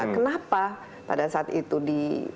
kenapa pada saat itu di